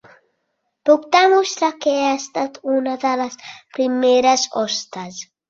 Puc demostrar que he estat una de les primeres hostes.